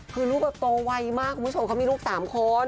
คือลูกโตกวัยมากมีลูกสามคน